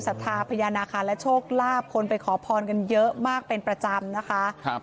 สัทธาพญานาคารและโชคลาภคนไปขอพรกันเยอะมากเป็นประจำนะคะครับ